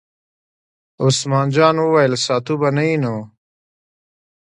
عثمان جان وویل: ساتو به یې نو.